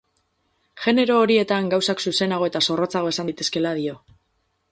Genero horietan gauzak zuzenago eta zorrotzago esan daitezkeela dio.